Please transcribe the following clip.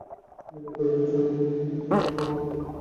তিনি বাগদাদে যান এবং সেখান থেকে মক্কা গমন করেন।